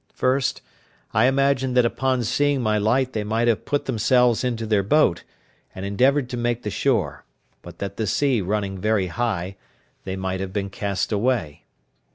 First, I imagined that upon seeing my light they might have put themselves into their boat, and endeavoured to make the shore: but that the sea running very high, they might have been cast away.